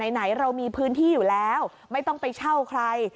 ไหนเรามีพื้นที่อยู่แล้วไม่ต้องไปเช่าใคร